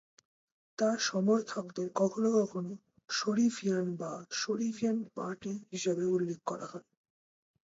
তার সমর্থকদের কখনও কখনও "শরীফিয়ান" বা "শরীফিয়ান পার্টি" হিসাবে উল্লেখ করা হয়।